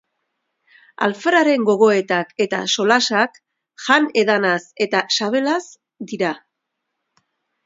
Alferraren gogoetak eta solasak jan-edanaz eta sabelaz dira.